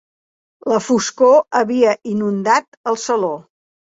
La foscor havia inundat el saló.